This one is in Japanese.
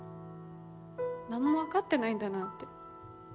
何も分かってないんだなって。